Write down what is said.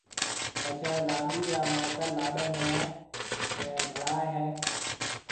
پڇيَ لاڏِي را مائيتر لاڏِي نيَ ڊاڙيَ ھيََََ